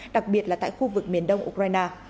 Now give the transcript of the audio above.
đặc biệt là tại khu vực miền đông ukraine